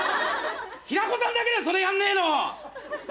平子さんだけだよそれやんねえの！